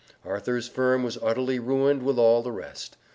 Arthur's firm was utterly ruined with all the rest.